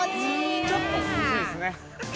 ちょっと涼しいですね。